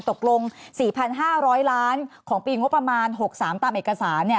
ตกลง๔๕๐๐ล้านของปีงบประมาณ๖๓ตามเอกสาร